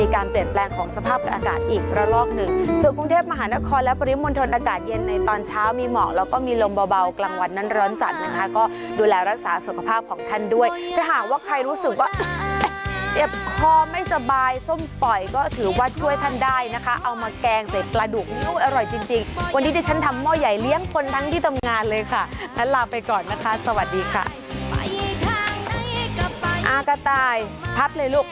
ก็ดูแลรักษาสุขภาพของท่านด้วยถ้าหากว่าใครรู้สึกว่าเอ็บคอไม่สบายส้มป่อยก็ถือว่าช่วยท่านได้นะคะเอามาแกล้งใส่กระดูกอร่อยจริงวันนี้จะฉันทำหม้อใหญ่เลี้ยงคนทั้งที่ตำงานเลยค่ะฉันลาไปก่อนนะคะสวัสดีค่ะ